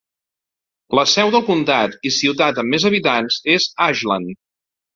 La seu del comtat i ciutat amb més habitants és Ashland.